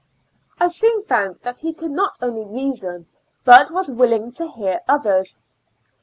I soon found that he could not only reason, but was willing to hear others.